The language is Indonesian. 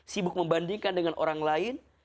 sibuk membandingkan dengan orang lain